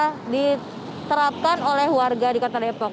sehingga sekarang kita bisa lihat apa yang diperlakukan oleh warga di kota depok